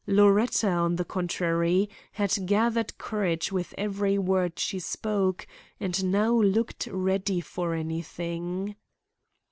Loretta, on the contrary, had gathered courage with every word she spoke and now looked ready for anything.